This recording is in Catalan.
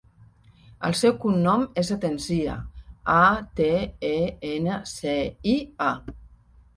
El seu cognom és Atencia: a, te, e, ena, ce, i, a.